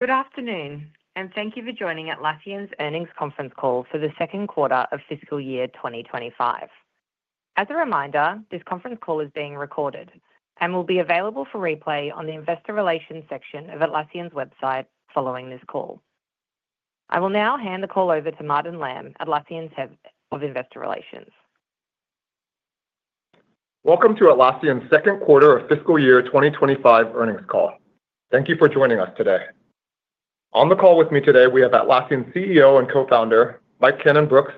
Good afternoon, and thank you for joining Atlassian's earnings conference call for the second quarter of fiscal year 2025. As a reminder, this conference call is being recorded and will be available for replay on the Investor Relations section of Atlassian's website following this call. I will now hand the call over to Martin Lam, Atlassian's Head of Investor Relations. Welcome to Atlassian's second quarter of fiscal year 2025 earnings call. Thank you for joining us today. On the call with me today, we have Atlassian's CEO and co-founder, Mike Cannon-Brookes,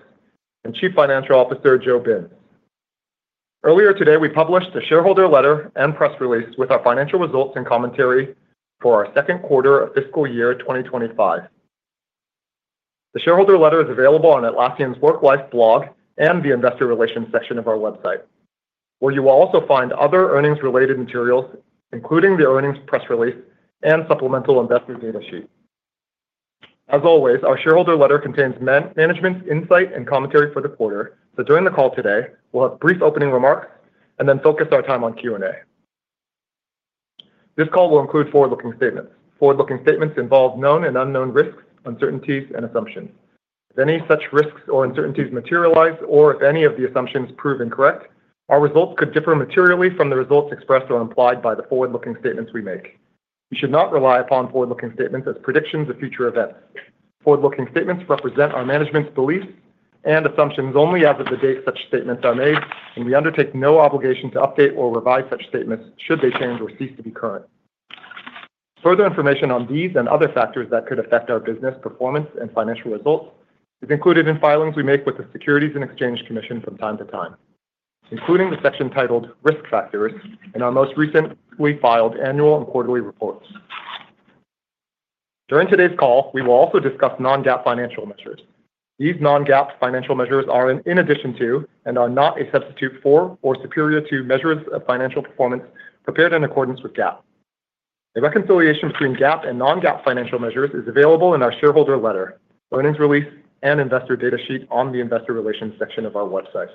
and Chief Financial Officer, Joe Binz. Earlier today, we published a shareholder letter and press release with our financial results and commentary for our second quarter of fiscal year 2025. The shareholder letter is available on Atlassian's WorkLife blog and the Investor Relations section of our website, where you will also find other earnings-related materials, including the earnings press release and supplemental investor data sheet. As always, our shareholder letter contains management's insight and commentary for the quarter, so during the call today, we'll have brief opening remarks and then focus our time on Q&A. This call will include forward-looking statements. Forward-looking statements involve known and unknown risks, uncertainties, and assumptions. If any such risks or uncertainties materialize, or if any of the assumptions prove incorrect, our results could differ materially from the results expressed or implied by the forward-looking statements we make. We should not rely upon forward-looking statements as predictions of future events. Forward-looking statements represent our management's beliefs and assumptions only as of the date such statements are made, and we undertake no obligation to update or revise such statements should they change or cease to be current. Further information on these and other factors that could affect our business performance and financial results is included in filings we make with the Securities and Exchange Commission from time to time, including the section titled Risk Factors in our most recently filed annual and quarterly reports. During today's call, we will also discuss non-GAAP financial measures. These non-GAAP financial measures are in addition to and are not a substitute for or superior to measures of financial performance prepared in accordance with GAAP. A reconciliation between GAAP and non-GAAP financial measures is available in our shareholder letter, earnings release, and investor data sheet on the Investor Relations section of our website.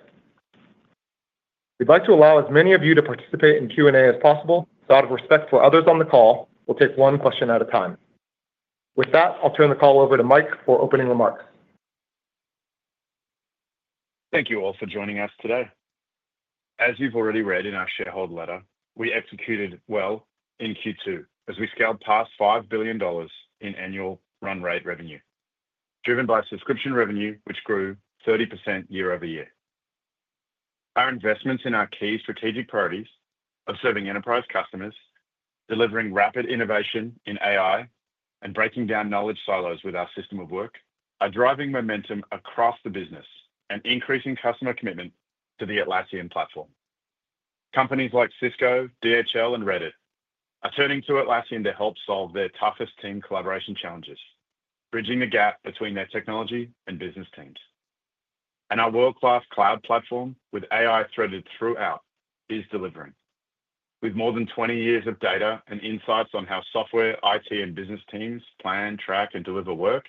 We'd like to allow as many of you to participate in Q&A as possible, so out of respect for others on the call, we'll take one question at a time. With that, I'll turn the call over to Mike for opening remarks. Thank you all for joining us today. As you've already read in our shareholder letter, we executed well in Q2 as we scaled past $5 billion in annual run rate revenue, driven by subscription revenue, which grew 30% year over year. Our investments in our key strategic priorities of serving enterprise customers, delivering rapid innovation in AI, and breaking down knowledge silos with our System of Work are driving momentum across the business and increasing customer commitment to the Atlassian platform. Companies like Cisco, DHL, and Reddit are turning to Atlassian to help solve their toughest team collaboration challenges, bridging the gap between their technology and business teams. And our world-class cloud platform with AI threaded throughout is delivering. With more than 20 years of data and insights on how software, IT, and business teams plan, track, and deliver work,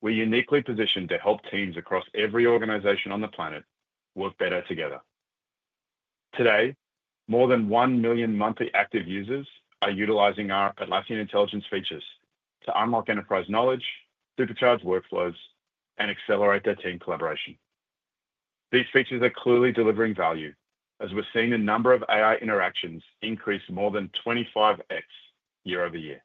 we're uniquely positioned to help teams across every organization on the planet work better together. Today, more than 1 million monthly active users are utilizing our Atlassian Intelligence features to unlock enterprise knowledge, supercharge workflows, and accelerate their team collaboration. These features are clearly delivering value, as we're seeing a number of AI interactions increase more than 25x year over year.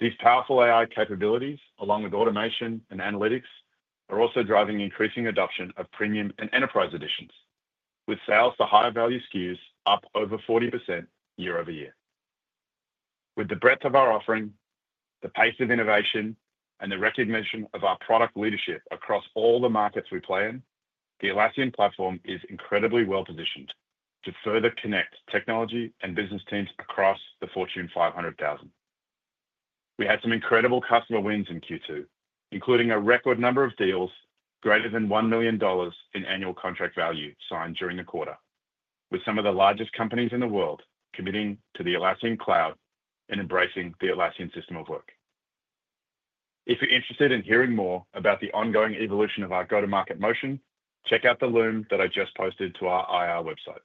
These powerful AI capabilities, along with automation and analytics, are also driving increasing adoption of Premium and Enterprise editions, with sales for higher-value SKUs up over 40% year over year. With the breadth of our offering, the pace of innovation, and the recognition of our product leadership across all the markets we play in, the Atlassian platform is incredibly well-positioned to further connect technology and business teams across the Fortune 500,000. We had some incredible customer wins in Q2, including a record number of deals greater than $1 million in annual contract value signed during the quarter, with some of the largest companies in the world committing to the Atlassian Cloud and embracing the Atlassian system of work. If you're interested in hearing more about the ongoing evolution of our go-to-market motion, check out the Loom that I just posted to our IR website.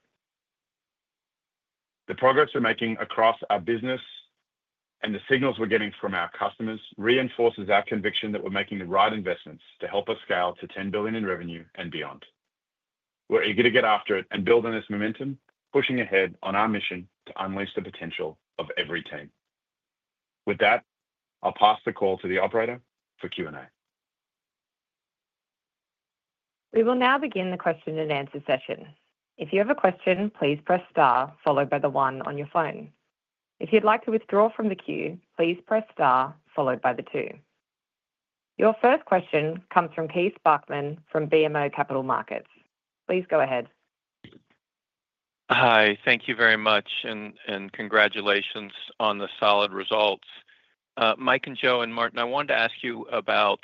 The progress we're making across our business and the signals we're getting from our customers reinforces our conviction that we're making the right investments to help us scale to $10 billion in revenue and beyond. We're eager to get after it and build on this momentum, pushing ahead on our mission to unleash the potential of every team. With that, I'll pass the call to the operator for Q&A. We will now begin the question-and-answer session. If you have a question, please press Star, followed by the 1 on your phone. If you'd like to withdraw from the queue, please press Star, followed by the 2. Your first question comes from Keith Bachman from BMO Capital Markets. Please go ahead. Hi. Thank you very much, and congratulations on the solid results. Mike and Joe and Martin, I wanted to ask you about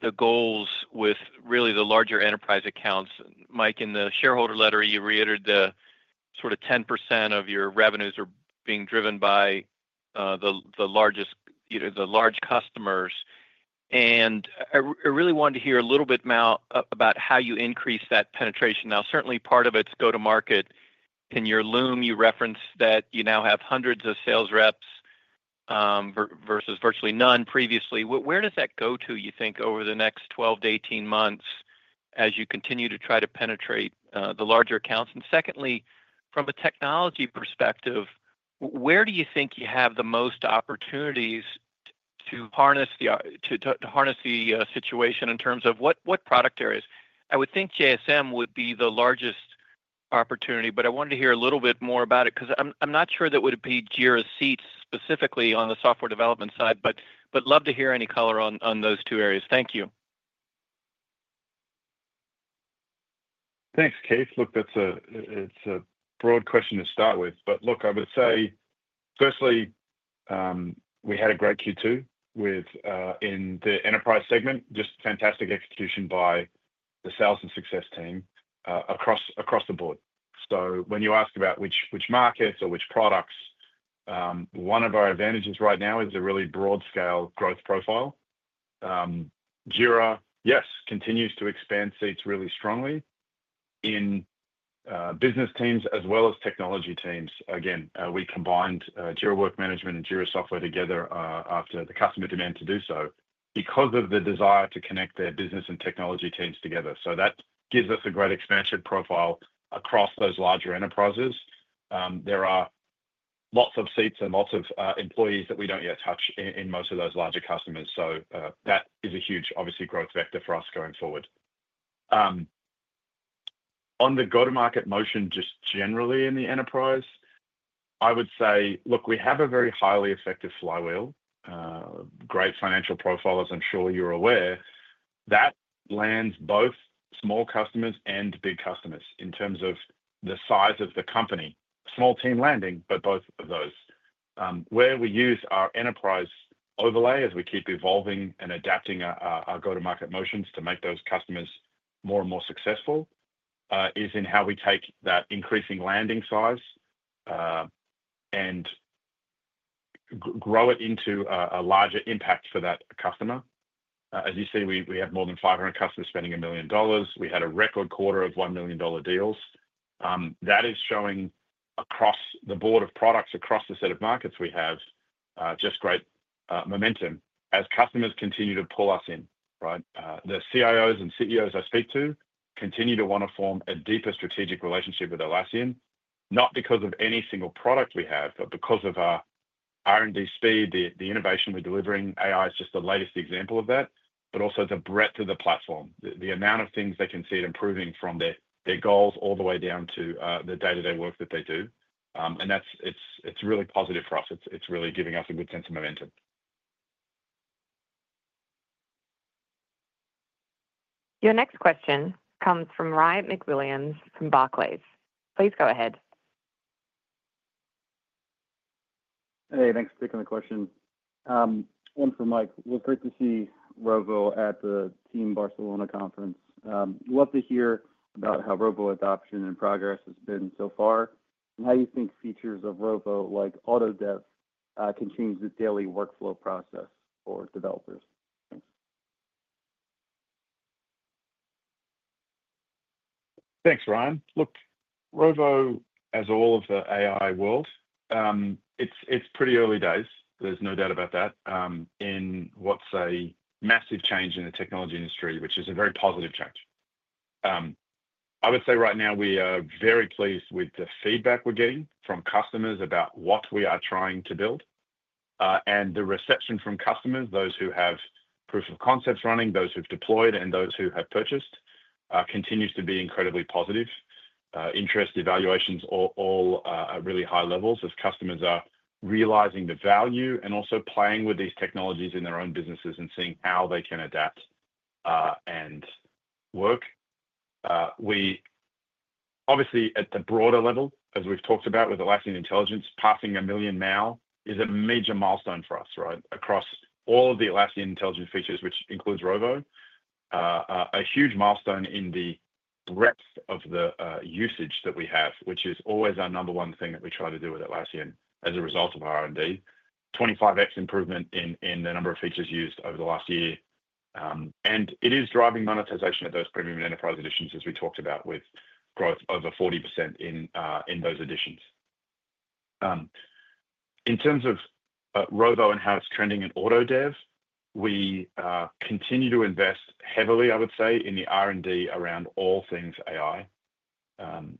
the goals with, really, the larger enterprise accounts. Mike, in the shareholder letter, you reiterated the sort of 10% of your revenues are being driven by the largest customers, and I really wanted to hear a little bit now about how you increase that penetration. Now, certainly, part of it's go-to-market. In your Loom, you referenced that you now have hundreds of sales reps versus virtually none previously. Where does that go to, you think, over the next 12-18 months as you continue to try to penetrate the larger accounts? And secondly, from a technology perspective, where do you think you have the most opportunities to harness the situation in terms of what product areas? I would think JSM would be the largest opportunity, but I wanted to hear a little bit more about it because I'm not sure that would be Jira seats specifically on the software development side, but love to hear any color on those two areas. Thank you. Thanks, Keith. Look, that's a broad question to start with. But look, I would say, firstly, we had a great Q2 in the enterprise segment, just fantastic execution by the sales and success team across the board. So when you ask about which markets or which products, one of our advantages right now is a really broad-scale growth profile. Jira, yes, continues to expand seats really strongly in business teams as well as technology teams. Again, we combined Jira Work Management and Jira Software together after the customer demand to do so because of the desire to connect their business and technology teams together. So that gives us a great expansion profile across those larger enterprises. There are lots of seats and lots of employees that we don't yet touch in most of those larger customers. So that is a huge, obviously, growth vector for us going forward. On the go-to-market motion just generally in the enterprise, I would say, look, we have a very highly effective flywheel, great financial profile, as I'm sure you're aware. That lands both small customers and big customers in terms of the size of the company. Small team landing, but both of those. Where we use our enterprise overlay as we keep evolving and adapting our go-to-market motions to make those customers more and more successful is in how we take that increasing landing size and grow it into a larger impact for that customer. As you see, we have more than 500 customers spending $1 million. We had a record quarter of $1 million deals. That is showing across the board of products, across the set of markets we have, just great momentum as customers continue to pull us in. The CIOs and CEOs I speak to continue to want to form a deeper strategic relationship with Atlassian, not because of any single product we have, but because of our R&D speed, the innovation we're delivering. AI is just the latest example of that, but also the breadth of the platform, the amount of things they can see it improving from their goals all the way down to the day-to-day work that they do. And it's really positive for us. It's really giving us a good sense of momentum. Your next question comes from Ryan MacWilliams from Barclays. Please go ahead. Hey, thanks for taking the question. One for Mike. Well, great to see Rovo at the Team Barcelona Conference. Love to hear about how Rovo adoption and progress has been so far and how you think features of Rovo like Auto-Dev can change the daily workflow process for developers. Thanks. Thanks, Ryan. Look, Rovo, as all of the AI world, it's pretty early days. There's no doubt about that in what's a massive change in the technology industry, which is a very positive change. I would say right now we are very pleased with the feedback we're getting from customers about what we are trying to build and the reception from customers, those who have proof of concepts running, those who've deployed, and those who have purchased, continues to be incredibly positive. Interest, evaluations are all at really high levels as customers are realizing the value and also playing with these technologies in their own businesses and seeing how they can adapt and work. Obviously, at the broader level, as we've talked about with Atlassian Intelligence, passing a million now is a major milestone for us across all of the Atlassian Intelligence features, which includes Rovo. A huge milestone in the breadth of the usage that we have, which is always our number one thing that we try to do with Atlassian as a result of R&D. 25x improvement in the number of features used over the last year, and it is driving monetization at those premium enterprise editions, as we talked about, with growth over 40% in those editions. In terms of Rovo and how it's trending in Auto-Dev, we continue to invest heavily, I would say, in the R&D around all things AI.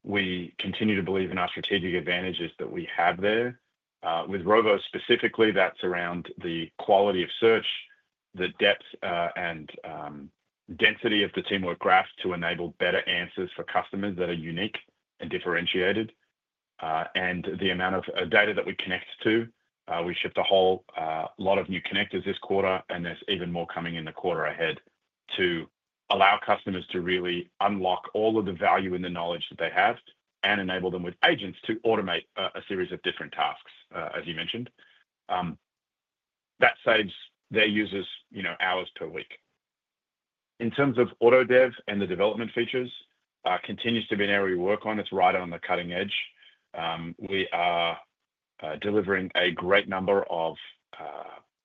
We continue to believe in our strategic advantages that we have there. With Rovo specifically, that's around the quality of search, the depth and density of the Teamwork Graph to enable better answers for customers that are unique and differentiated. And the amount of data that we connect to. We shipped a whole lot of new connectors this quarter, and there's even more coming in the quarter ahead to allow customers to really unlock all of the value in the knowledge that they have and enable them with agents to automate a series of different tasks, as you mentioned. That saves their users hours per week. In terms of Auto-Dev and the development features, it continues to be an area we work on. It's right on the cutting edge. We are delivering a great number of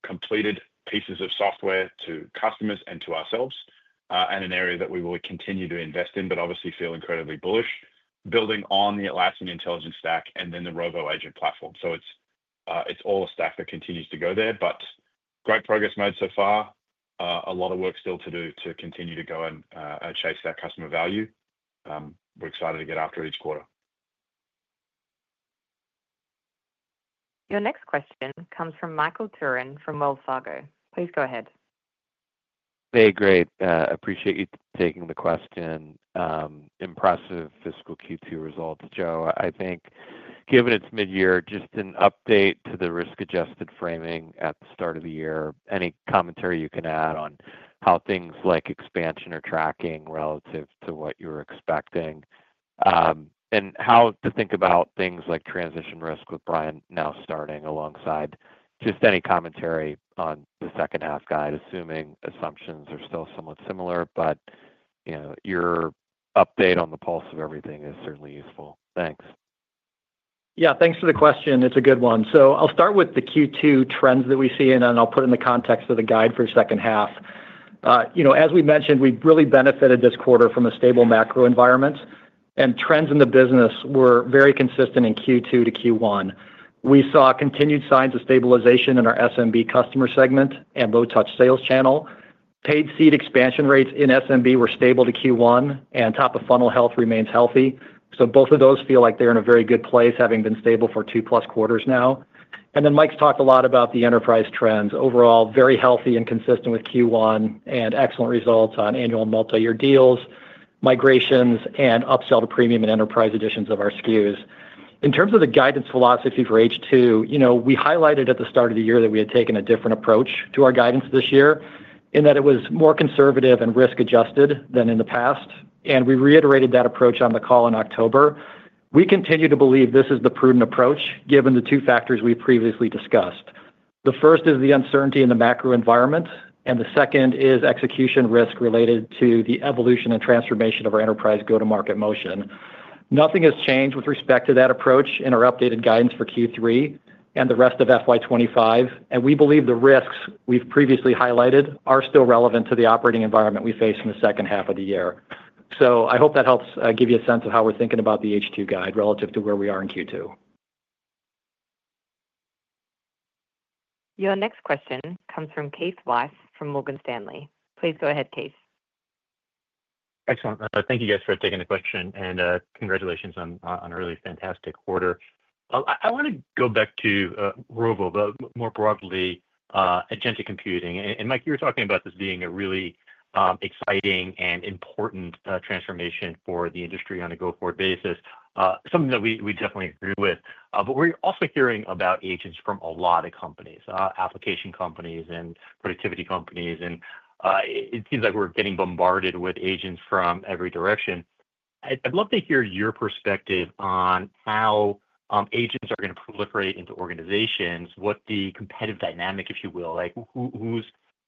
completed pieces of software to customers and to ourselves, and an area that we will continue to invest in, but obviously feel incredibly bullish, building on the Atlassian Intelligence stack and then the Rovo agent platform. So it's all a stack that continues to go there, but great progress made so far. A lot of work still to do to continue to go and chase that customer value. We're excited to get after each quarter. Your next question comes from Michael Turrin from Wells Fargo. Please go ahead. Hey, great. Appreciate you taking the question. Impressive fiscal Q2 results. Joe, I think given it's mid-year, just an update to the risk-adjusted framing at the start of the year, any commentary you can add on how things like expansion are tracking relative to what you're expecting, and how to think about things like transition risk with Brian now starting alongside just any commentary on the second-half guide, assuming assumptions are still somewhat similar? But your update on the pulse of everything is certainly useful. Thanks. Yeah, thanks for the question. It's a good one, so I'll start with the Q2 trends that we see, and then I'll put it in the context of the guide for the second half. As we mentioned, we really benefited this quarter from a stable macro environment, and trends in the business were very consistent in Q2 to Q1. We saw continued signs of stabilization in our SMB customer segment and low-touch sales channel. Paid seat expansion rates in SMB were stable to Q1, and top-of-funnel health remains healthy, so both of those feel like they're in a very good place, having been stable for two-plus quarters now, and then Mike's talked a lot about the enterprise trends. Overall, very healthy and consistent with Q1 and excellent results on annual and multi-year deals, migrations, and upsell to Premium and Enterprise editions of our SKUs. In terms of the guidance philosophy for H2, we highlighted at the start of the year that we had taken a different approach to our guidance this year in that it was more conservative and risk-adjusted than in the past. We reiterated that approach on the call in October. We continue to believe this is the prudent approach given the two factors we've previously discussed. The first is the uncertainty in the macro environment, and the second is execution risk related to the evolution and transformation of our enterprise go-to-market motion. Nothing has changed with respect to that approach in our updated guidance for Q3 and the rest of FY25. We believe the risks we've previously highlighted are still relevant to the operating environment we face in the second half of the year. So I hope that helps give you a sense of how we're thinking about the H2 guide relative to where we are in Q2. Your next question comes from Keith Weiss from Morgan Stanley. Please go ahead, Keith. Excellent. Thank you, guys, for taking the question, and congratulations on a really fantastic quarter. I want to go back to Rovo, but more broadly, agentic computing, and Mike, you were talking about this being a really exciting and important transformation for the industry on a go-forward basis, something that we definitely agree with. But we're also hearing about agents from a lot of companies, application companies and productivity companies, and it seems like we're getting bombarded with agents from every direction. I'd love to hear your perspective on how agents are going to proliferate into organizations, what the competitive dynamic, if you will, like who's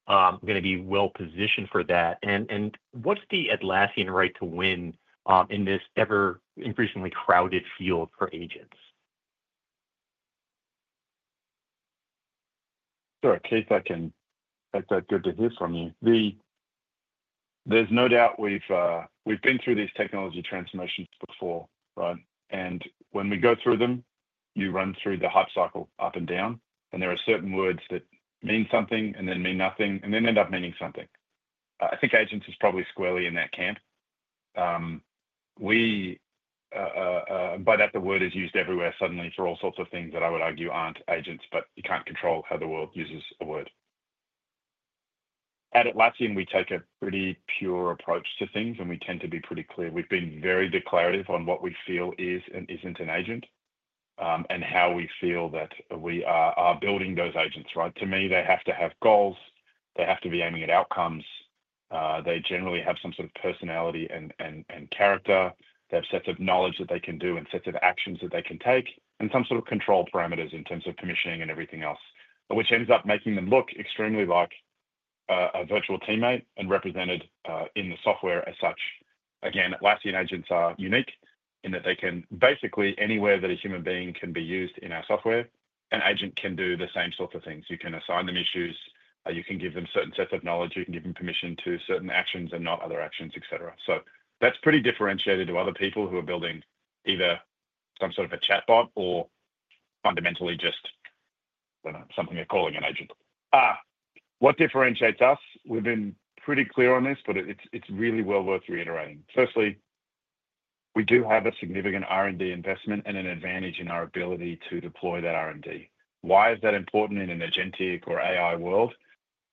going to be well-positioned for that, and what's the Atlassian right to win in this ever-increasingly crowded field for agents? Sure. Keith, I think that's good to hear from you. There's no doubt we've been through these technology transformations before. And when we go through them, you run through the hype cycle up and down. And there are certain words that mean something and then mean nothing, and then end up meaning something. I think agents is probably squarely in that camp. But the word is used everywhere suddenly for all sorts of things that I would argue aren't agents, but you can't control how the world uses a word. At Atlassian, we take a pretty pure approach to things, and we tend to be pretty clear. We've been very declarative on what we feel is and isn't an agent and how we feel that we are building those agents. To me, they have to have goals. They have to be aiming at outcomes. They generally have some sort of personality and character. They have sets of knowledge that they can do and sets of actions that they can take and some sort of control parameters in terms of commissioning and everything else, which ends up making them look extremely like a virtual teammate and represented in the software as such. Again, Atlassian agents are unique in that they can basically anywhere that a human being can be used in our software, an agent can do the same sorts of things. You can assign them issues. You can give them certain sets of knowledge. You can give them permission to certain actions and not other actions, etc. So that's pretty differentiated to other people who are building either some sort of a chatbot or fundamentally just something they're calling an agent. What differentiates us? We've been pretty clear on this, but it's really well worth reiterating. Firstly, we do have a significant R&D investment and an advantage in our ability to deploy that R&D. Why is that important in an agentic or AI world?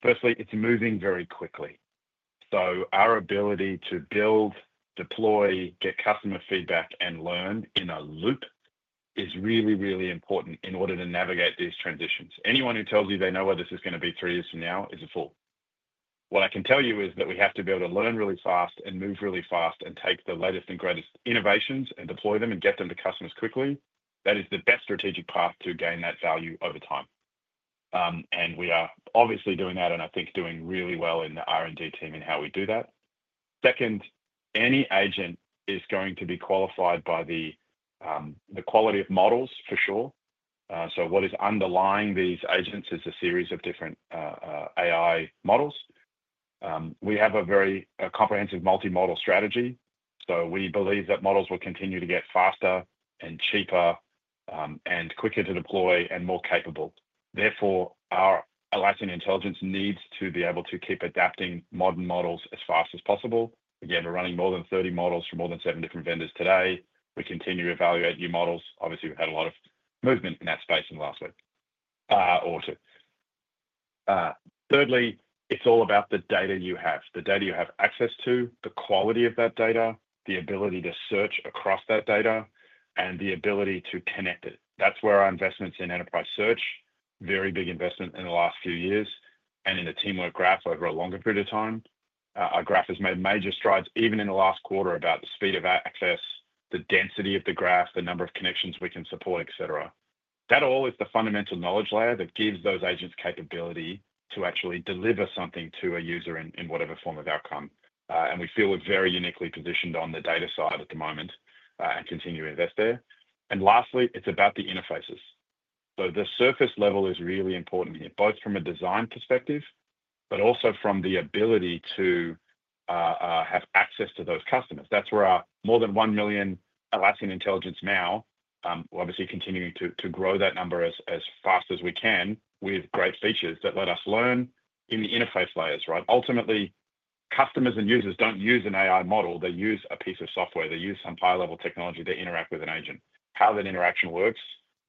Firstly, it's moving very quickly. So our ability to build, deploy, get customer feedback, and learn in a loop is really, really important in order to navigate these transitions. Anyone who tells you they know where this is going to be three years from now is a fool. What I can tell you is that we have to be able to learn really fast and move really fast and take the latest and greatest innovations and deploy them and get them to customers quickly. That is the best strategic path to gain that value over time. We are obviously doing that, and I think doing really well in the R&D team in how we do that. Second, any agent is going to be qualified by the quality of models, for sure. What is underlying these agents is a series of different AI models. We have a very comprehensive multi-model strategy. We believe that models will continue to get faster and cheaper and quicker to deploy and more capable. Therefore, our Atlassian Intelligence needs to be able to keep adapting modern models as fast as possible. Again, we're running more than 30 models from more than seven different vendors today. We continue to evaluate new models. Obviously, we've had a lot of movement in that space in the last week or two. Thirdly, it's all about the data you have, the data you have access to, the quality of that data, the ability to search across that data, and the ability to connect it. That's where our investments in enterprise search, very big investment in the last few years, and in the Teamwork Graph over a longer period of time, our graph has made major strides even in the last quarter about the speed of access, the density of the graph, the number of connections we can support, etc. That all is the fundamental knowledge layer that gives those agents capability to actually deliver something to a user in whatever form of outcome. And we feel we're very uniquely positioned on the data side at the moment and continue to invest there. And lastly, it's about the interfaces. The surface level is really important here, both from a design perspective, but also from the ability to have access to those customers. That's where our more than one million Atlassian Intelligence now, obviously continuing to grow that number as fast as we can with great features that let us learn in the interface layers. Ultimately, customers and users don't use an AI model. They use a piece of software. They use some high-level technology to interact with an agent. How that interaction works,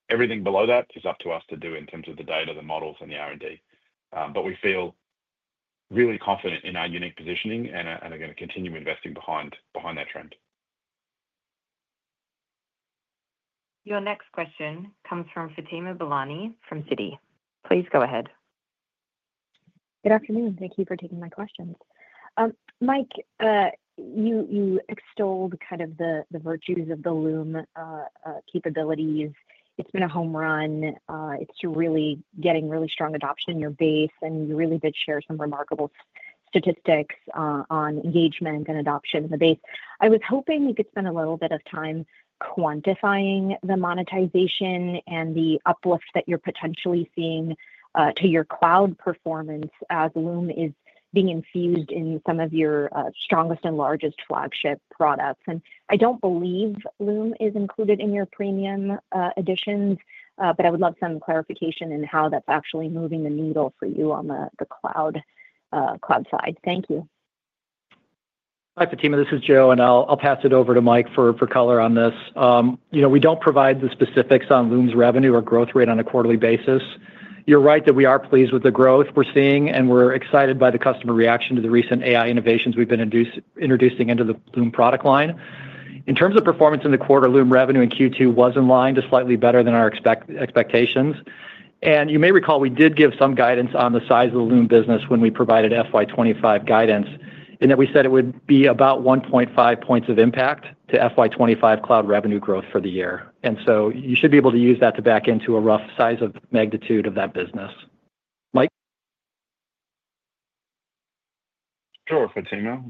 everything below that is up to us to do in terms of the data, the models, and the R&D. But we feel really confident in our unique positioning and are going to continue investing behind that trend. Your next question comes from Fatima Boolani from Citi. Please go ahead. Good afternoon. Thank you for taking my questions. Mike, you extolled kind of the virtues of the Loom capabilities. It's been a home run. It's really getting really strong adoption in your base, and you really did share some remarkable statistics on engagement and adoption in the base. I was hoping we could spend a little bit of time quantifying the monetization and the uplift that you're potentially seeing to your cloud performance as Loom is being infused in some of your strongest and largest flagship products, and I don't believe Loom is included in your premium editions, but I would love some clarification in how that's actually moving the needle for you on the cloud side. Thank you Hi, Fatima. This is Joe, and I'll pass it over to Mike for color on this. We don't provide the specifics on Loom's revenue or growth rate on a quarterly basis. You're right that we are pleased with the growth we're seeing, and we're excited by the customer reaction to the recent AI innovations we've been introducing into the Loom product line. In terms of performance in the quarter, Loom revenue in Q2 was in line to slightly better than our expectations. And you may recall we did give some guidance on the size of the Loom business when we provided FY25 guidance in that we said it would be about 1.5 points of impact to FY25 cloud revenue growth for the year. And so you should be able to use that to back into a rough size of magnitude of that business. Mike? Sure, Fatima.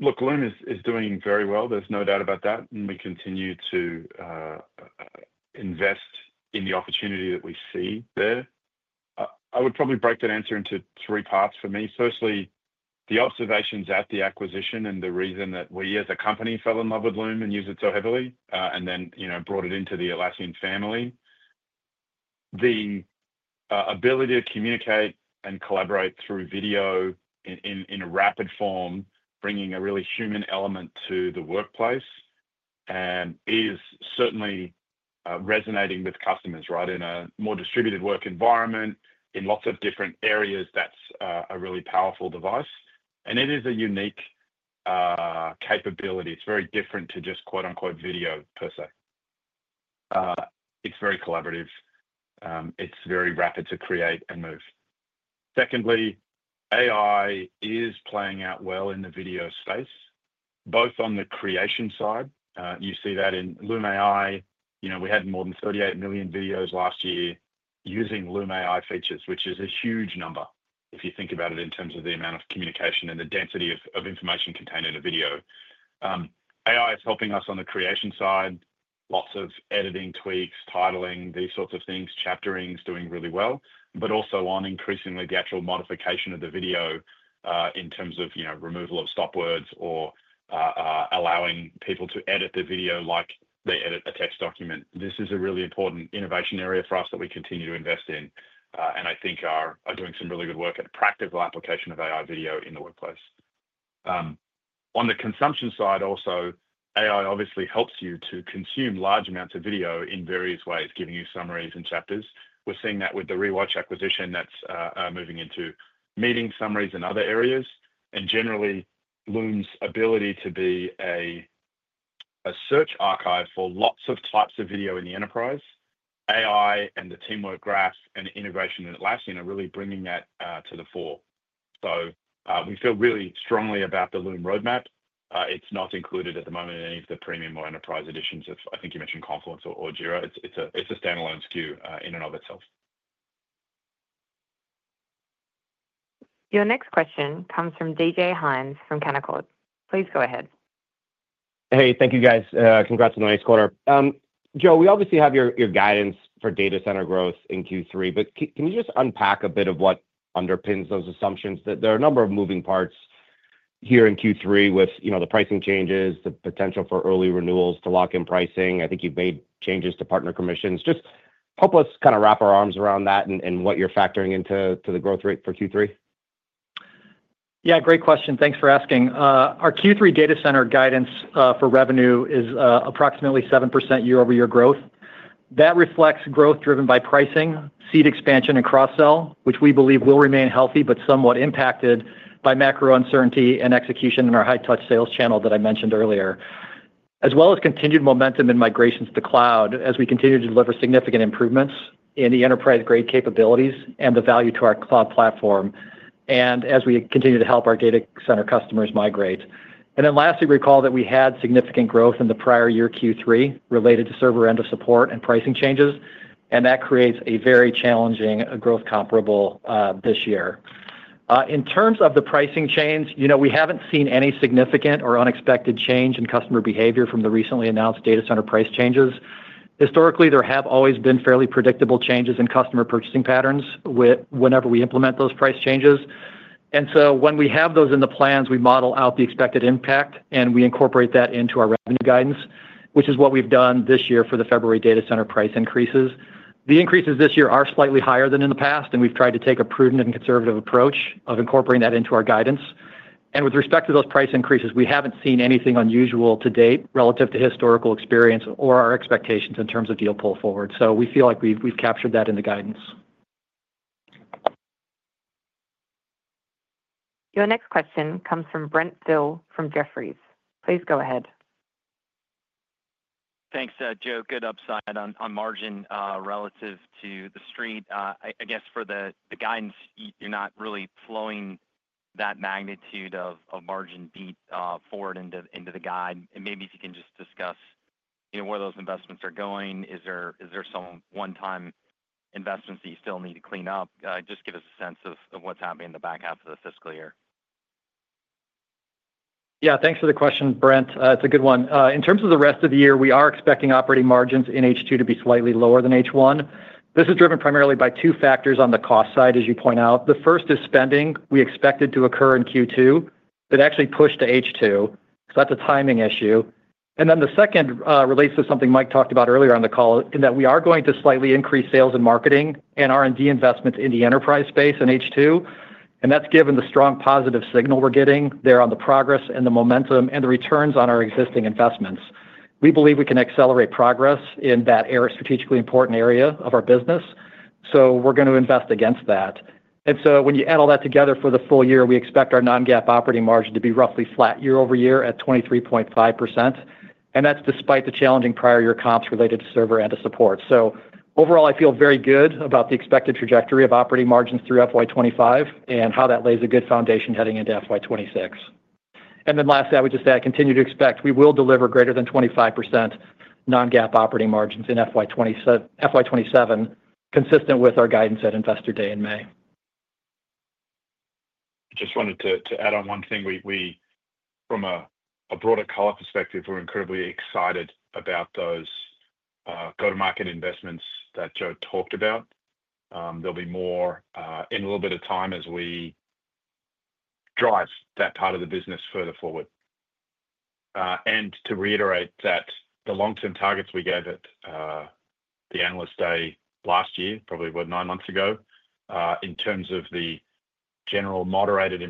Look, Loom is doing very well. There's no doubt about that. And we continue to invest in the opportunity that we see there. I would probably break that answer into three parts for me. Firstly, the observations at the acquisition and the reason that we as a company fell in love with Loom and used it so heavily and then brought it into the Atlassian family. The ability to communicate and collaborate through video in a rapid form, bringing a really human element to the workplace, and is certainly resonating with customers in a more distributed work environment in lots of different areas. That's a really powerful device. And it is a unique capability. It's very different to just "video" per se. It's very collaborative. It's very rapid to create and move. Secondly, AI is playing out well in the video space, both on the creation side. You see that in Loom AI. We had more than 38 million videos last year using Loom AI features, which is a huge number if you think about it in terms of the amount of communication and the density of information contained in a video. AI is helping us on the creation side, lots of editing, tweaks, titling, these sorts of things, chaptering is doing really well, but also on increasingly the actual modification of the video in terms of removal of stop words or allowing people to edit the video like they edit a text document. This is a really important innovation area for us that we continue to invest in, and I think are doing some really good work at practical application of AI video in the workplace. On the consumption side also, AI obviously helps you to consume large amounts of video in various ways, giving you summaries and chapters. We're seeing that with the Rewatch acquisition that's moving into meeting summaries and other areas. And generally, Loom's ability to be a search archive for lots of types of video in the enterprise, AI and the Teamwork Graph and integration in Atlassian are really bringing that to the fore. So we feel really strongly about the Loom roadmap. It's not included at the moment in any of the premium or enterprise editions. I think you mentioned Confluence or Jira. It's a standalone SKU in and of itself. Your next question comes from DJ Hynes from Canaccord Genuity. Please go ahead. Hey, thank you, guys. Congrats on the nice quarter. Joe, we obviously have your guidance for Data Center growth in Q3, but can you just unpack a bit of what underpins those assumptions? There are a number of moving parts here in Q3 with the pricing changes, the potential for early renewals to lock in pricing. I think you've made changes to partner commissions. Just help us kind of wrap our arms around that and what you're factoring into the growth rate for Q3. Yeah, great question. Thanks for asking. Our Q3 Data Center guidance for revenue is approximately 7% year-over-year growth. That reflects growth driven by pricing, seat expansion, and cross-sell, which we believe will remain healthy but somewhat impacted by macro uncertainty and execution in our high-touch sales channel that I mentioned earlier, as well as continued momentum in migrations to the cloud as we continue to deliver significant improvements in the enterprise-grade capabilities and the value to our cloud platform and as we continue to help our Data Center customers migrate, and then lastly, recall that we had significant growth in the prior year Q3 related to Server end of support and pricing changes, and that creates a very challenging growth comparable this year. In terms of the pricing change, we haven't seen any significant or unexpected change in customer behavior from the recently announced Data Center price changes. Historically, there have always been fairly predictable changes in customer purchasing patterns whenever we implement those price changes. And so when we have those in the plans, we model out the expected impact, and we incorporate that into our revenue guidance, which is what we've done this year for the February Data Center price increases. The increases this year are slightly higher than in the past, and we've tried to take a prudent and conservative approach of incorporating that into our guidance. And with respect to those price increases, we haven't seen anything unusual to date relative to historical experience or our expectations in terms of deal pull forward. So we feel like we've captured that in the guidance. Your next question comes from Brent Thill from Jefferies. Please go ahead. Thanks, Joe. Good upside on margin relative to the street. I guess for the guidance, you're not really flowing that magnitude of margin beat forward into the guide, and maybe if you can just discuss where those investments are going. Is there some one-time investments that you still need to clean up? Just give us a sense of what's happening in the back half of the fiscal year. Yeah, thanks for the question, Brent. It's a good one. In terms of the rest of the year, we are expecting operating margins in H2 to be slightly lower than H1. This is driven primarily by two factors on the cost side, as you point out. The first is spending we expected to occur in Q2 that actually pushed to H2. So that's a timing issue. And then the second relates to something Mike talked about earlier on the call in that we are going to slightly increase sales and marketing and R&D investments in the enterprise space in H2. And that's given the strong positive signal we're getting there on the progress and the momentum and the returns on our existing investments. We believe we can accelerate progress in that strategically important area of our business. So we're going to invest against that. And so when you add all that together for the full year, we expect our non-GAAP operating margin to be roughly flat year-over-year at 23.5%. And that's despite the challenging prior year comps related to server end of support. So overall, I feel very good about the expected trajectory of operating margins through FY25 and how that lays a good foundation heading into FY26. And then lastly, I would just say I continue to expect we will deliver greater than 25% non-GAAP operating margins in FY27, consistent with our guidance at investor day in May. I just wanted to add on one thing. From a broader cloud perspective, we're incredibly excited about those go-to-market investments that Joe talked about. There'll be more in a little bit of time as we drive that part of the business further forward, and to reiterate that the long-term targets we gave at the analyst day last year, probably about nine months ago, in terms of the general moderated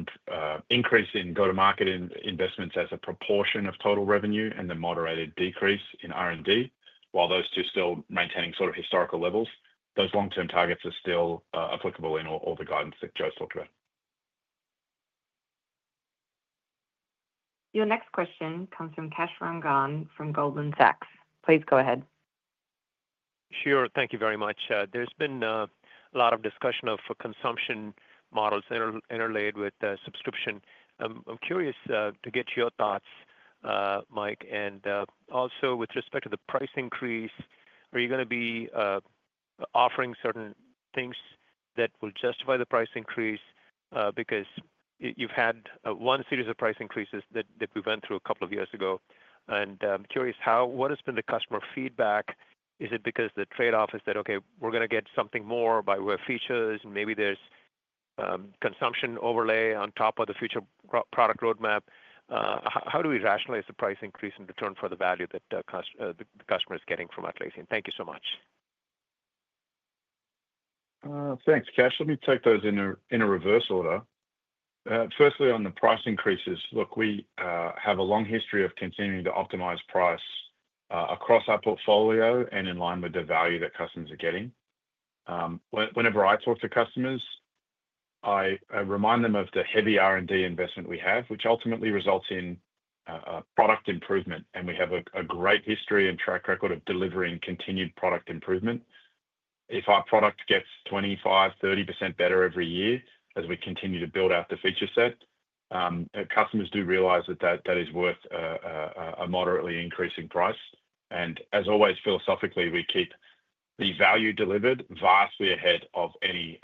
increase in go-to-market investments as a proportion of total revenue and the moderated decrease in R&D, while those two still maintaining sort of historical levels, those long-term targets are still applicable in all the guidance that Joe's talked about. Your next question comes from Kash Rangan from Goldman Sachs. Please go ahead. Sure. Thank you very much. There's been a lot of discussion of consumption models interlaid with subscription. I'm curious to get your thoughts, Mike. And also with respect to the price increase, are you going to be offering certain things that will justify the price increase? Because you've had one series of price increases that we went through a couple of years ago. And I'm curious, what has been the customer feedback? Is it because the trade-off is that, okay, we're going to get something more by way of features, and maybe there's consumption overlay on top of the future product roadmap? How do we rationalize the price increase and return for the value that the customer is getting from Atlassian? Thank you so much. Thanks, Kash. Let me take those in a reverse order. Firstly, on the price increases, look, we have a long history of continuing to optimize price across our portfolio and in line with the value that customers are getting. Whenever I talk to customers, I remind them of the heavy R&D investment we have, which ultimately results in product improvement. And we have a great history and track record of delivering continued product improvement. If our product gets 25%-30% better every year as we continue to build out the feature set, customers do realize that that is worth a moderately increasing price. And as always, philosophically, we keep the value delivered vastly ahead of any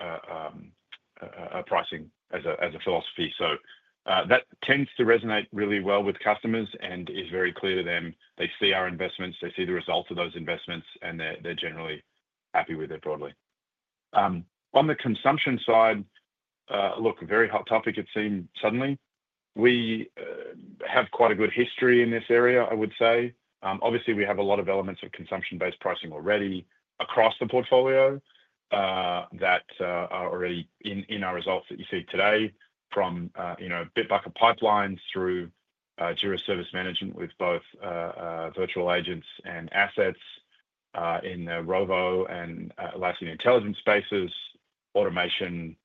pricing as a philosophy. So that tends to resonate really well with customers and is very clear to them. They see our investments. They see the results of those investments, and they're generally happy with it broadly. On the consumption side, look, very hot topic it seemed suddenly. We have quite a good history in this area, I would say. Obviously, we have a lot of elements of consumption-based pricing already across the portfolio that are already in our results that you see today from Bitbucket Pipelines through Jira Service Management with both virtual agents and assets in the Rovo and Atlassian Intelligence spaces, automation,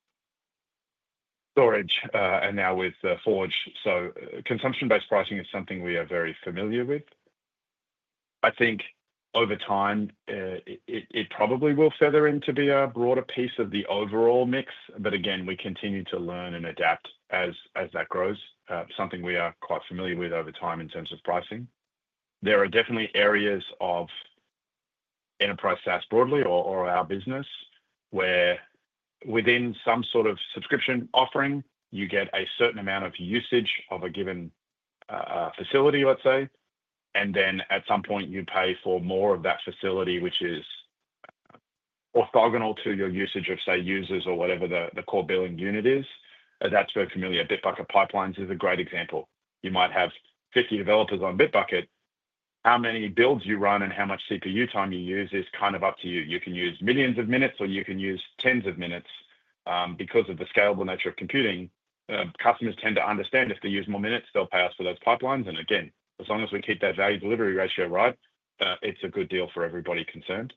storage, and now with Forge. So consumption-based pricing is something we are very familiar with. I think over time, it probably will feather in to be a broader piece of the overall mix. But again, we continue to learn and adapt as that grows, something we are quite familiar with over time in terms of pricing. There are definitely areas of enterprise SaaS broadly or our business where within some sort of subscription offering, you get a certain amount of usage of a given facility, let's say, and then at some point, you pay for more of that facility, which is orthogonal to your usage of, say, users or whatever the core billing unit is. That's very familiar. Bitbucket Pipelines is a great example. You might have 50 developers on Bitbucket. How many builds you run and how much CPU time you use is kind of up to you. You can use millions of minutes, or you can use tens of minutes. Because of the scalable nature of computing, customers tend to understand if they use more minutes, they'll pay us for those pipelines, and again, as long as we keep that value delivery ratio right, it's a good deal for everybody concerned.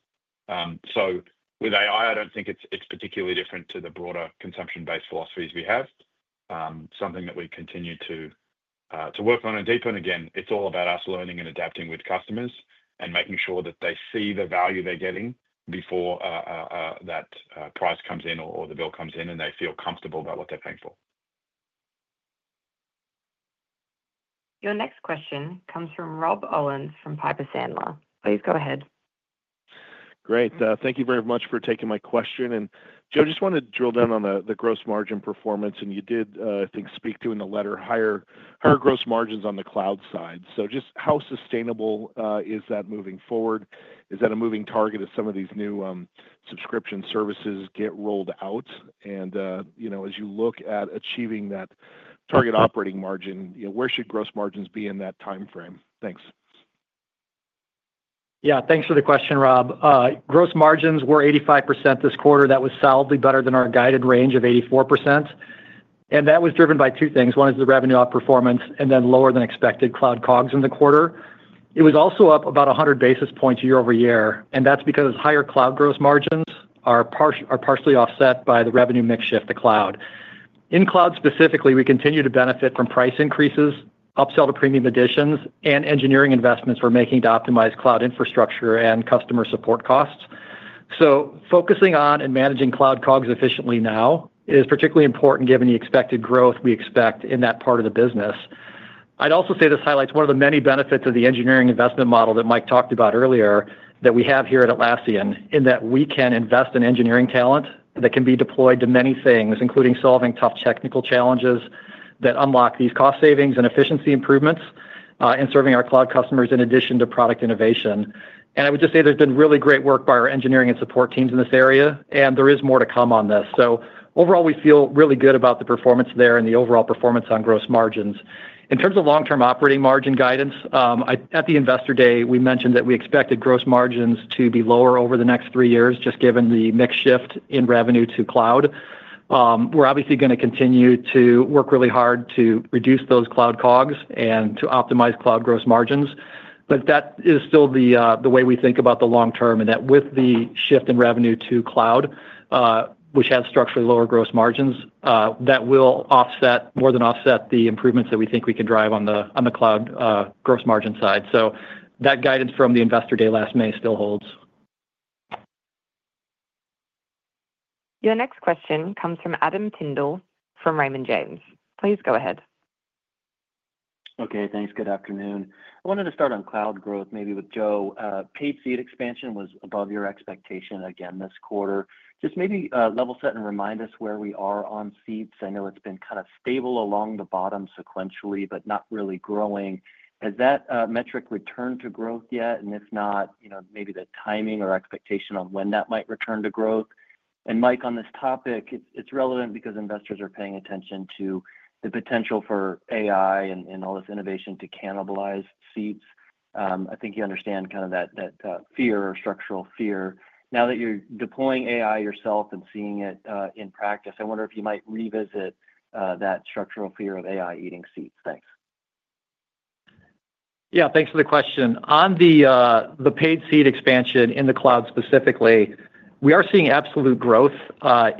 So with AI, I don't think it's particularly different to the broader consumption-based philosophies we have, something that we continue to work on and deepen. Again, it's all about us learning and adapting with customers and making sure that they see the value they're getting before that price comes in or the bill comes in and they feel comfortable about what they're paying for. Your next question comes from Rob Owens from Piper Sandler. Please go ahead. Great. Thank you very much for taking my question, and Joe, I just want to drill down on the gross margin performance, and you did, I think, speak to in the letter higher gross margins on the cloud side, so just how sustainable is that moving forward? Is that a moving target as some of these new subscription services get rolled out, and as you look at achieving that target operating margin, where should gross margins be in that timeframe? Thanks. Yeah, thanks for the question, Rob. Gross margins were 85% this quarter. That was solidly better than our guided range of 84%. And that was driven by two things. One is the revenue outperformance and then lower than expected cloud COGS in the quarter. It was also up about 100 basis points year-over-year. And that's because higher cloud gross margins are partially offset by the revenue mix shift to cloud. In cloud specifically, we continue to benefit from price increases, upsell to premium editions, and engineering investments we're making to optimize cloud infrastructure and customer support costs. So focusing on and managing cloud COGS efficiently now is particularly important given the expected growth we expect in that part of the business. I'd also say this highlights one of the many benefits of the engineering investment model that Mike talked about earlier that we have here at Atlassian in that we can invest in engineering talent that can be deployed to many things, including solving tough technical challenges that unlock these cost savings and efficiency improvements in serving our cloud customers in addition to product innovation. I would just say there's been really great work by our engineering and support teams in this area, and there is more to come on this. Overall, we feel really good about the performance there and the overall performance on gross margins. In terms of long-term operating margin guidance, at the Investor Day, we mentioned that we expected gross margins to be lower over the next three years just given the mix shift in revenue to cloud. We're obviously going to continue to work really hard to reduce those cloud COGS and to optimize cloud gross margins. But that is still the way we think about the long term and that with the shift in revenue to cloud, which has structurally lower gross margins, that will offset more than offset the improvements that we think we can drive on the cloud gross margin side. So that guidance from the investor day last May still holds. Your next question comes from Adam Tindle from Raymond James. Please go ahead. Okay, thanks. Good afternoon. I wanted to start on cloud growth, maybe with Joe. Paid seat expansion was above your expectation again this quarter. Just maybe level set and remind us where we are on seats. I know it's been kind of stable along the bottom sequentially, but not really growing. Has that metric returned to growth yet? And if not, maybe the timing or expectation on when that might return to growth. And Mike, on this topic, it's relevant because investors are paying attention to the potential for AI and all this innovation to cannibalize seats. I think you understand kind of that fear or structural fear. Now that you're deploying AI yourself and seeing it in practice, I wonder if you might revisit that structural fear of AI eating seats. Thanks. Yeah, thanks for the question. On the paid seat expansion in the cloud specifically, we are seeing absolute growth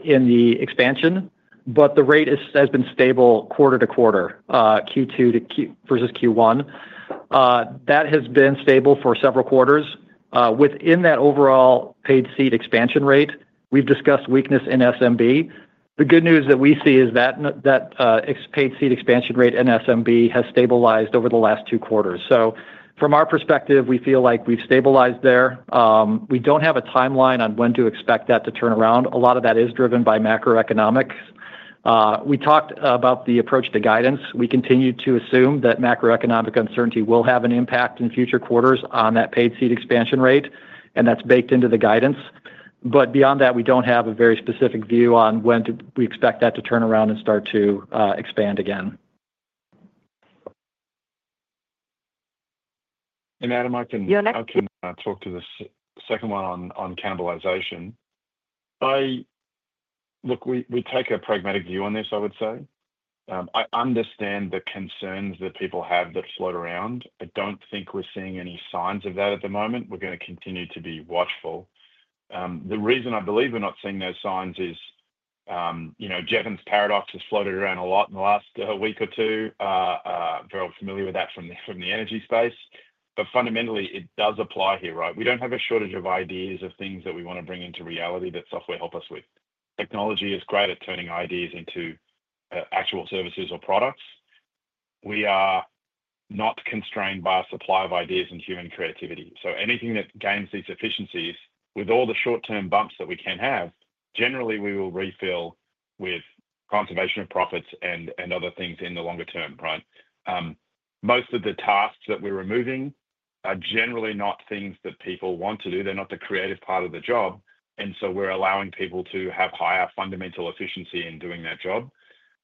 in the expansion, but the rate has been stable quarter to quarter, Q2 versus Q1. That has been stable for several quarters. Within that overall paid seat expansion rate, we've discussed weakness in SMB. The good news that we see is that paid seat expansion rate in SMB has stabilized over the last two quarters. So from our perspective, we feel like we've stabilized there. We don't have a timeline on when to expect that to turn around. A lot of that is driven by macroeconomics. We talked about the approach to guidance. We continue to assume that macroeconomic uncertainty will have an impact in future quarters on that paid seat expansion rate, and that's baked into the guidance. But beyond that, we don't have a very specific view on when we expect that to turn around and start to expand again. Adam, I can talk to the second one on cannibalization. Look, we take a pragmatic view on this, I would say. I understand the concerns that people have that float around. I don't think we're seeing any signs of that at the moment. We're going to continue to be watchful. The reason I believe we're not seeing those signs is Jevons paradox has floated around a lot in the last week or two. Very familiar with that from the energy space. But fundamentally, it does apply here, right? We don't have a shortage of ideas of things that we want to bring into reality that software helps us with. Technology is great at turning ideas into actual services or products. We are not constrained by a supply of ideas and human creativity. So anything that gains these efficiencies, with all the short-term bumps that we can have, generally, we will refill with conservation of profits and other things in the longer term, right? Most of the tasks that we're removing are generally not things that people want to do. They're not the creative part of the job. And so we're allowing people to have higher fundamental efficiency in doing that job.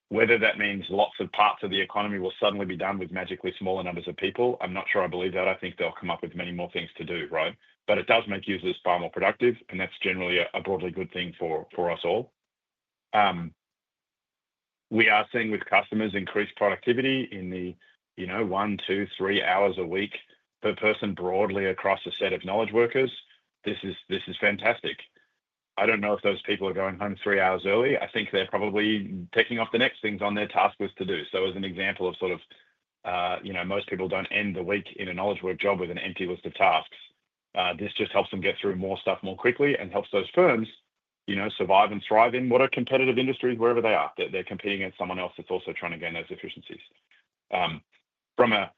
Whether that means lots of parts of the economy will suddenly be done with magically smaller numbers of people, I'm not sure I believe that. I think they'll come up with many more things to do, right? But it does make users far more productive, and that's generally a broadly good thing for us all. We are seeing with customers increased productivity in the one, two, three hours a week per person broadly across a set of knowledge workers. This is fantastic. I don't know if those people are going home three hours early. I think they're probably taking off the next things on their task list to do. So as an example of sort of most people don't end the week in a knowledge work job with an empty list of tasks. This just helps them get through more stuff more quickly and helps those firms survive and thrive in what are competitive industries, wherever they are. They're competing against someone else that's also trying to gain those efficiencies. From a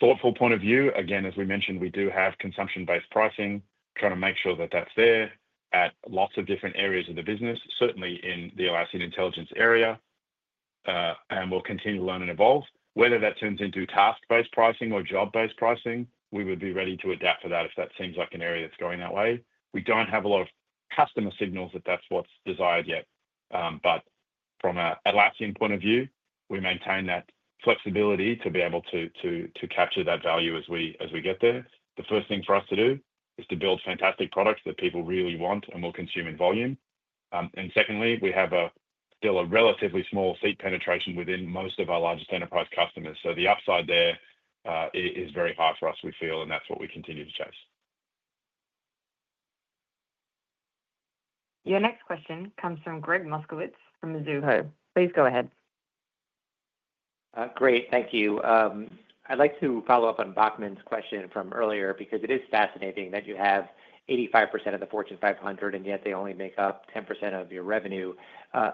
thoughtful point of view, again, as we mentioned, we do have consumption-based pricing, trying to make sure that that's there at lots of different areas of the business, certainly in the Atlassian Intelligence area. And we'll continue to learn and evolve. Whether that turns into task-based pricing or job-based pricing, we would be ready to adapt for that if that seems like an area that's going that way. We don't have a lot of customer signals that that's what's desired yet. But from an Atlassian point of view, we maintain that flexibility to be able to capture that value as we get there. The first thing for us to do is to build fantastic products that people really want and will consume in volume. And secondly, we have still a relatively small seat penetration within most of our largest enterprise customers. So the upside there is very high for us, we feel, and that's what we continue to chase. Your next question comes from Gregg Moskowitz from Mizuho. Please go ahead. Great. Thank you. I'd like to follow up on Bachman's question from earlier because it is fascinating that you have 85% of the Fortune 500, and yet they only make up 10% of your revenue.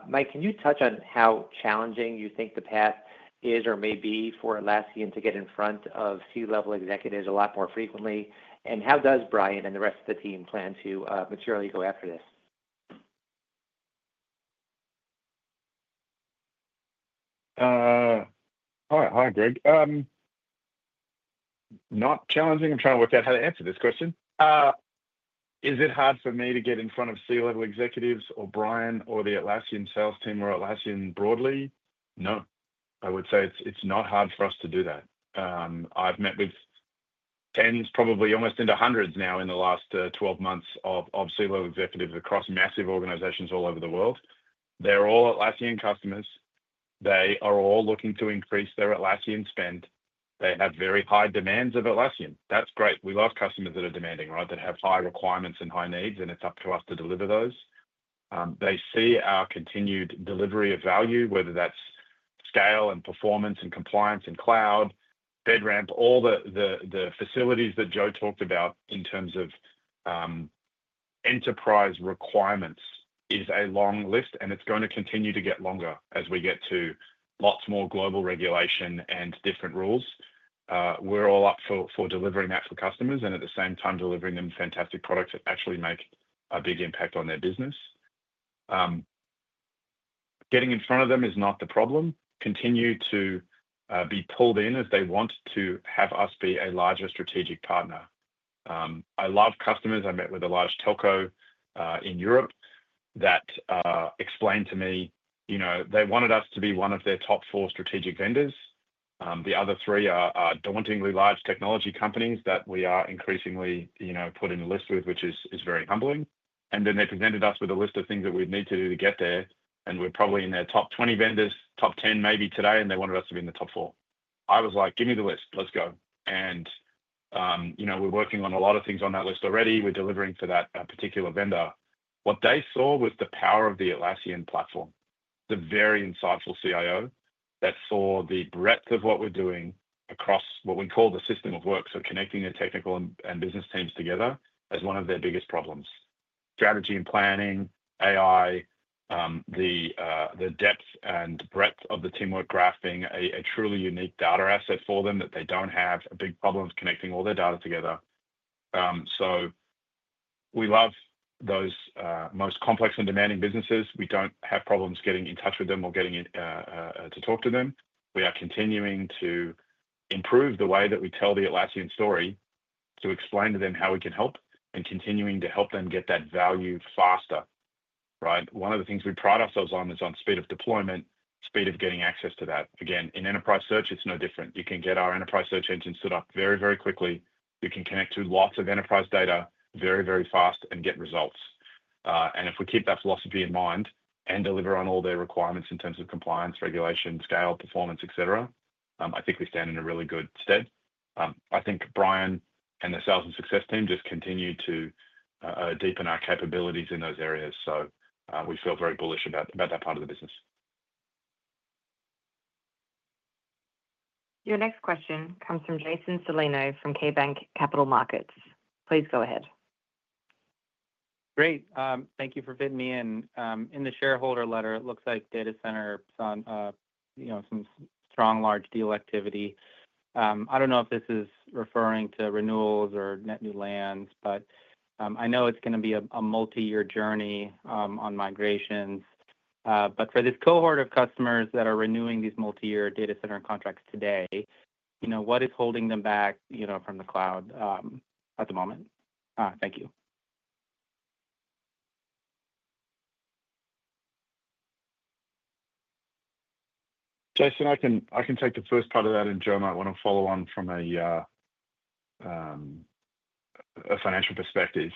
Mike, can you touch on how challenging you think the path is or may be for Atlassian to get in front of C-level executives a lot more frequently? And how does Brian and the rest of the team plan to materially go after this? Hi, Gregg. Not challenging. I'm trying to work out how to answer this question. Is it hard for me to get in front of C-level executives or Brian or the Atlassian sales team or Atlassian broadly? No. I would say it's not hard for us to do that. I've met with tens, probably almost into hundreds now in the last 12 months of C-level executives across massive organizations all over the world. They're all Atlassian customers. They are all looking to increase their Atlassian spend. They have very high demands of Atlassian. That's great. We love customers that are demanding, right? That have high requirements and high needs, and it's up to us to deliver those. They see our continued delivery of value, whether that's scale and performance and compliance and cloud, FedRAMP, all the facilities that Joe talked about in terms of enterprise requirements is a long list, and it's going to continue to get longer as we get to lots more global regulation and different rules. We're all up for delivering that for customers and at the same time delivering them fantastic products that actually make a big impact on their business. Getting in front of them is not the problem. Continue to be pulled in as they want to have us be a larger strategic partner. I love customers I met with a large telco in Europe that explained to me they wanted us to be one of their top four strategic vendors. The other three are dauntingly large technology companies that we are increasingly put in a list with, which is very humbling. And then they presented us with a list of things that we'd need to do to get there, and we're probably in their top 20 vendors, top 10 maybe today, and they wanted us to be in the top four. I was like, "Give me the list. Let's go." And we're working on a lot of things on that list already. We're delivering for that particular vendor. What they saw was the power of the Atlassian platform, the very insightful CIO that saw the breadth of what we're doing across what we call the System of Work. So connecting the technical and business teams together as one of their biggest problems. Strategy and planning, AI, the depth and breadth of the Teamwork Graph being a truly unique data asset for them that they don't have a big problem connecting all their data together. So we love those most complex and demanding businesses. We don't have problems getting in touch with them or getting to talk to them. We are continuing to improve the way that we tell the Atlassian story to explain to them how we can help and continuing to help them get that value faster, right? One of the things we pride ourselves on is on speed of deployment, speed of getting access to that. Again, in enterprise search, it's no different. You can get our enterprise search engine set up very, very quickly. You can connect to lots of enterprise data very, very fast and get results. And if we keep that philosophy in mind and deliver on all their requirements in terms of compliance, regulation, scale, performance, etc., I think we stand in a really good stead. I think Brian and the sales and success team just continue to deepen our capabilities in those areas. So we feel very bullish about that part of the business. Your next question comes from Jason Celino from KeyBanc Capital Markets. Please go ahead. Great. Thank you for fitting me in. In the shareholder letter, it looks like Data Center saw some strong large deal activity. I don't know if this is referring to renewals or net new lands, but I know it's going to be a multi-year journey on migrations. But for this cohort of customers that are renewing these multi-year Data Center contracts today, what is holding them back from the Cloud at the moment? Thank you. Jason, I can take the first part of that, and Joe might want to follow on from a financial perspective.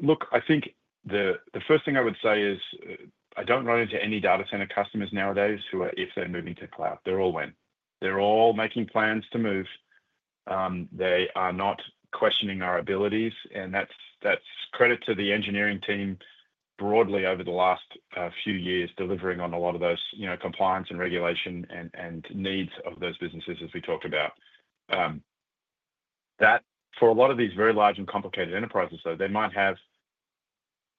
Look, I think the first thing I would say is I don't run into any data center customers nowadays who are if they're moving to cloud. They're all went. They're all making plans to move. They are not questioning our abilities. And that's credit to the engineering team broadly over the last few years delivering on a lot of those compliance and regulation and needs of those businesses, as we talked about. For a lot of these very large and complicated enterprises, though, they might have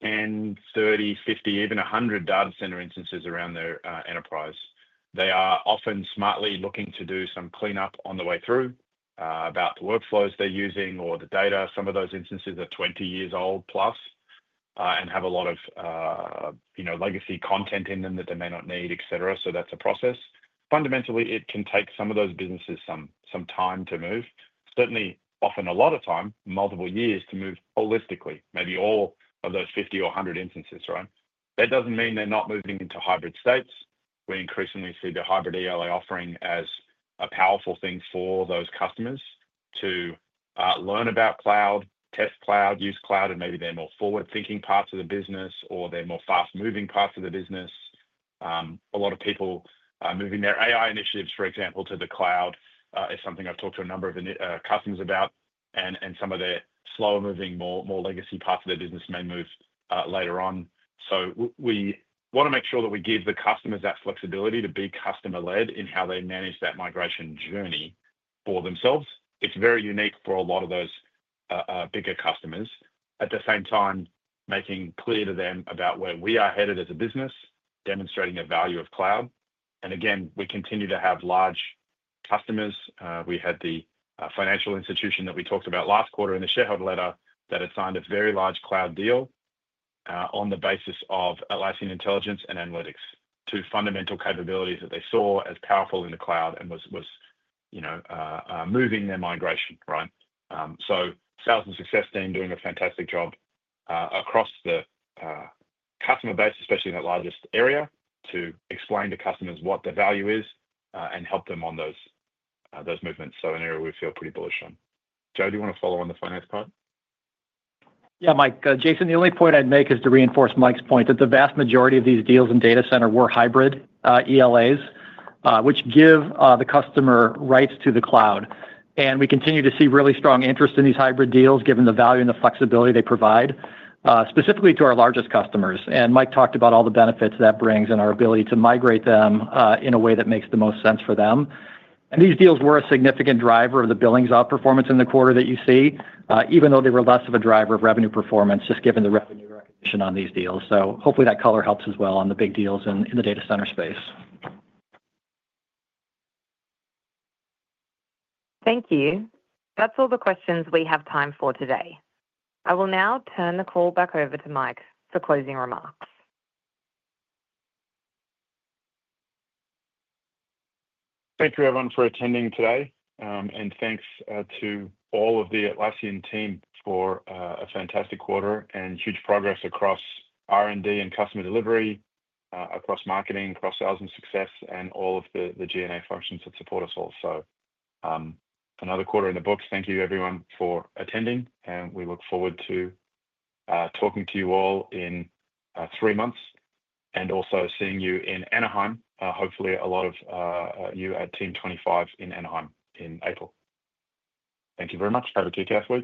10, 30, 50, even 100 data center instances around their enterprise. They are often smartly looking to do some cleanup on the way through about the workflows they're using or the data. Some of those instances are 20 years old plus and have a lot of legacy content in them that they may not need, etc., so that's a process. Fundamentally, it can take some of those businesses some time to move. Certainly, often a lot of time, multiple years to move holistically, maybe all of those 50 or 100 instances, right? That doesn't mean they're not moving into hybrid states. We increasingly see the hybrid ELA offering as a powerful thing for those customers to learn about cloud, test cloud, use cloud, and maybe they're more forward-thinking parts of the business or they're more fast-moving parts of the business. A lot of people are moving their AI initiatives, for example, to the cloud, is something I've talked to a number of customers about, and some of their slower-moving, more legacy parts of their business may move later on. So we want to make sure that we give the customers that flexibility to be customer-led in how they manage that migration journey for themselves. It's very unique for a lot of those bigger customers. At the same time, making clear to them about where we are headed as a business, demonstrating the value of cloud. And again, we continue to have large customers. We had the financial institution that we talked about last quarter in the shareholder letter that had signed a very large cloud deal on the basis of Atlassian Intelligence and analytics to fundamental capabilities that they saw as powerful in the cloud and was moving their migration, right? So sales and success team doing a fantastic job across the customer base, especially in that largest area to explain to customers what the value is and help them on those movements. So an area we feel pretty bullish on. Joe, do you want to follow on the finance part? Yeah, Mike. Jason, the only point I'd make is to reinforce Mike's point that the vast majority of these deals in Data Center were hybrid ELAs, which give the customer rights to the cloud. And we continue to see really strong interest in these hybrid deals given the value and the flexibility they provide specifically to our largest customers. And Mike talked about all the benefits that brings and our ability to migrate them in a way that makes the most sense for them. And these deals were a significant driver of the billings outperformance in the quarter that you see, even though they were less of a driver of revenue performance just given the revenue recognition on these deals. So hopefully that color helps as well on the big deals in the data center space. Thank you. That's all the questions we have time for today. I will now turn the call back over to Mike for closing remarks. Thank you, everyone, for attending today, and thanks to all of the Atlassian team for a fantastic quarter and huge progress across R&D and customer delivery, across marketing, across sales and success, and all of the G&A functions that support us also. Another quarter in the books. Thank you, everyone, for attending, and we look forward to talking to you all in three months and also seeing you in Anaheim, hopefully a lot of you at Team '25 in Anaheim in April. Thank you very much. Have a good weekend, coworkers.